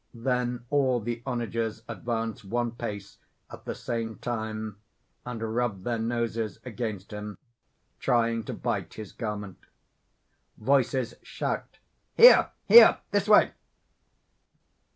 Then all the onagers advance one pace at the same time, and rub their noses against him, trying to bite his garment. Voices shout_: "Here! here! this way!"